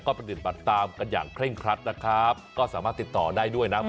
ปฏิบัติตามกันอย่างเคร่งครัดนะครับก็สามารถติดต่อได้ด้วยนะ